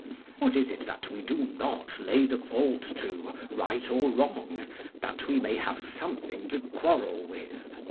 what is it that we do not lay the fault to, right or wrong, that we may have something to quarrel with?